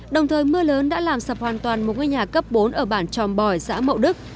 đồng thời mưa lớn đã làm sập hoàn toàn một ngôi nhà cấp bốn ở bản tròm bòi xã mậu đức